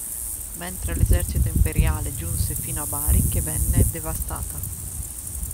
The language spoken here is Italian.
Mentre l'esercito imperiale giunse fino a Bari, che venne devastata.